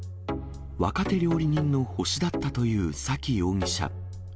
若手料理人の星だったという崎容疑者。